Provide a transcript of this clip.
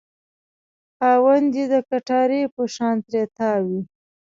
خاوند یې د کټارې په شان ترې تاو وي.